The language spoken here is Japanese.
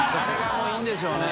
もういいんでしょうね。